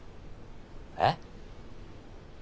えっ？